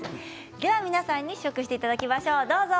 皆さんに試食していただきましょう、どうぞ。